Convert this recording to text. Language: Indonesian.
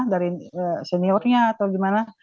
dari seniornya atau gimana